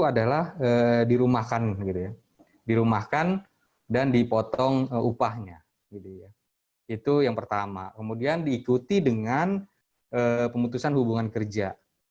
adalah dirumahkan gitu ya dirumahkan dan dipotong upahnya itu yang pertama kemudian diikuti dengan pemutusan hubungan kerja